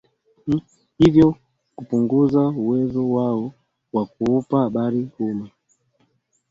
hivyo kupunguza uwezo wao wa kuupa habari umma